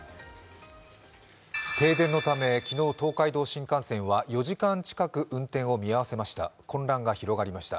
停電のため昨日東海道新幹線は４時間近く運転を見合せました。